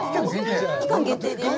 期間限定です。